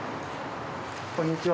こんにちは。